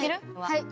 はい。